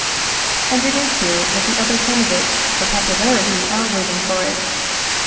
And it is here that other candidates for popularity are waiting for it.